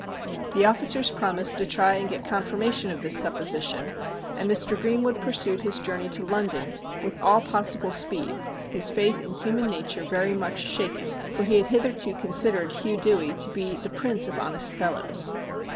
The officers promised to try and get confirmation of this supposi tion, and Mr. Greenwood pursued his journey to London with all possible speed, his faith in human nature very much shaken, for he had hitherto considered Hugh Dewey to be the prince of honest fellows.